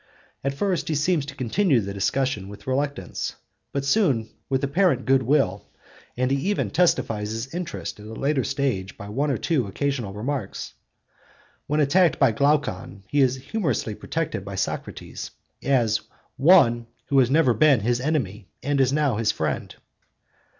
At first he seems to continue the discussion with reluctance, but soon with apparent good will, and he even testifies his interest at a later stage by one or two occasional remarks. When attacked by Glaucon he is humorously protected by Socrates 'as one who has never been his enemy and is now his friend.